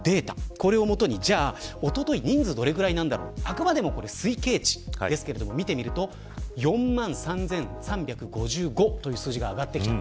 これを基に、おととい人数がどのぐらいなんだとあくまでも推計値ですが見てみると４万３３５５という数字が上がってきた。